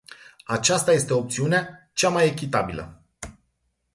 Aceasta este opțiunea cea mai echitabilă.